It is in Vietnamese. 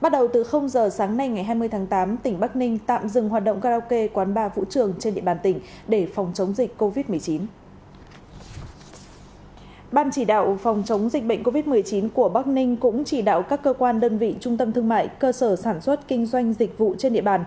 ban chỉ đạo phòng chống dịch bệnh covid một mươi chín của bắc ninh cũng chỉ đạo các cơ quan đơn vị trung tâm thương mại cơ sở sản xuất kinh doanh dịch vụ trên địa bàn